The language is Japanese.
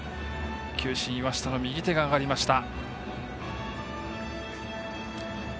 球審、岩下の右手が上がりました。